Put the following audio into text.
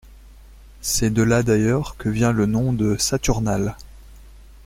C’est de là d’ailleurs que vient le nom de saturnales.